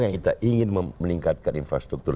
kita ingin meningkatkan infrastruktur